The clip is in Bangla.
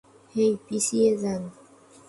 হেই, পিছিয়ে যান!